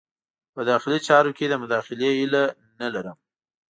په داخلي چارو کې د مداخلې هیله نه لرم.